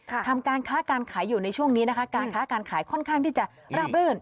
ทำการค้าการขายอยู่ในช่วงนี้นะคะการค้าการขายค่อนข้างที่จะราบรื่น